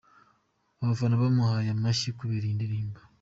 Abafana bamuhaye amashyi kubera iyi ndirimbo.